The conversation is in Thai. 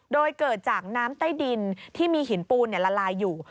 โดยเกิดจากน้ำใต้ดินที่มีหินปูนละลายอยู่